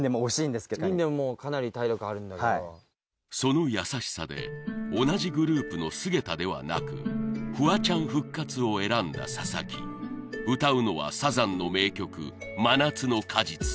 琳寧もかなり体力あるんだけどはいその優しさで同じグループの菅田ではなくフワちゃん復活を選んだ佐々木歌うのはサザンの名曲「真夏の果実」